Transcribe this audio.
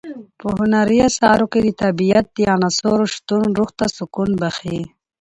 په هنري اثارو کې د طبیعت د عناصرو شتون روح ته سکون بښي.